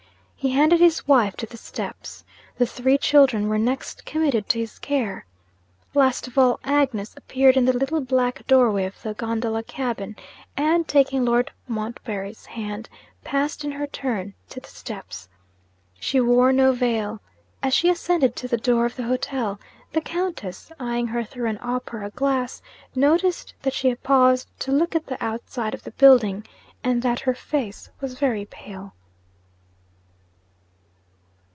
He handed his wife to the steps. The three children were next committed to his care. Last of all, Agnes appeared in the little black doorway of the gondola cabin, and, taking Lord Montbarry's hand, passed in her turn to the steps. She wore no veil. As she ascended to the door of the hotel, the Countess (eyeing her through an opera glass) noticed that she paused to look at the outside of the building, and that her face was very pale.